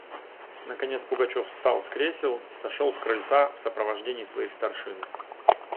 Наконец Пугачев встал с кресел и сошел с крыльца в сопровождении своих старшин.